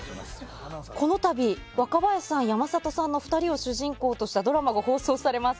この度若林さん、山里さんの２人を主人公としたドラマが放送されます。